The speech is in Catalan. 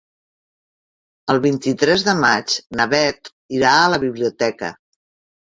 El vint-i-tres de maig na Beth irà a la biblioteca.